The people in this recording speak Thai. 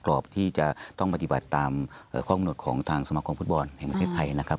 กรอบที่จะต้องปฏิบัติตามข้อกำหนดของทางสมาคมฟุตบอลแห่งประเทศไทยนะครับ